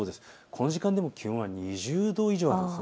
この時間でも気温は２０度以上あるんです。